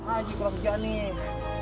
ayah kurang jauh nih